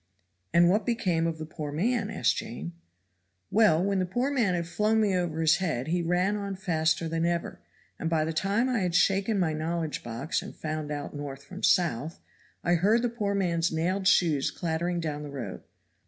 "And what became of the poor man?" asked Jane. "Well, when the poor man had flung me over his head he ran on faster than ever, and by the time I had shaken my knowledge box and found out north from south, I heard the poor man's nailed shoes clattering down the road.